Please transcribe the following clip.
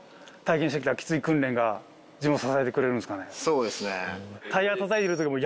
そうですね。